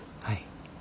はい。